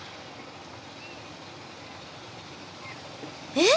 えっ！